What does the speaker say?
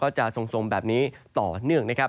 ก็จะมีการแผ่ลงมาแตะบ้างนะครับ